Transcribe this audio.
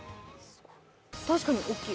確かに大きい。